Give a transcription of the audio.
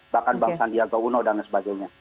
bahkan bang sandiaga uno dan sebagainya